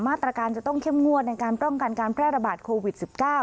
มาตรการจะต้องเข้มงวดในการป้องกันการแพร่ระบาดโควิด๑๙